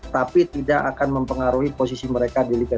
tapi tidak akan mempengaruhi posisi mereka di liga dua